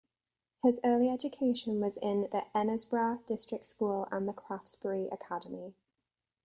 His early education was in the Enosburgh District School and the Craftsbury Academy.